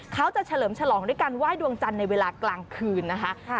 เขาจะเฉลิมชะล้อมด้วยการว่ายดวงจันทร์ในเวลากลางคืนนะคะ